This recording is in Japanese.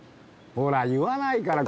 ほら言わないから！